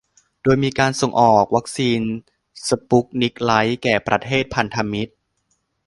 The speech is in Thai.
โดยจะมีการส่งออกวัคซีนสปุตนิก ไลท์ แก่ประเทศพันธมิตร